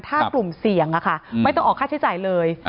ถ้ากลุ่มเสี่ยงไม่ต้องออกค่าใช้จ่ายเลย